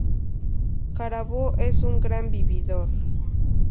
Jarabo es un gran vividor.